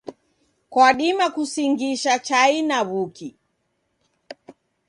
Kwadima kusingisha chai na w'uki.